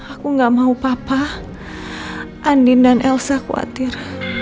aku gak mau papa andin dan elsa khawatir